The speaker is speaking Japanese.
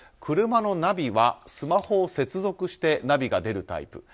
車のナビはスマホを接続してナビが出るタイプ。